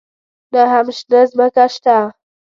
نه هم شنه ځمکه شته.